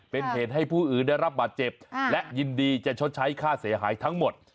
เป็นเหตุให้ผู้อื่นได้รับบาดเจ็บและยินดีจะชดใช้ค่าเสียหายทั้งหมด